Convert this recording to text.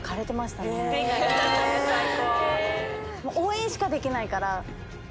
応援しかできないから。